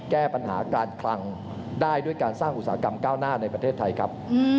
แก้ปัญหาการคลังได้ด้วยการสร้างอุตสาหกรรมก้าวหน้าในประเทศไทยครับ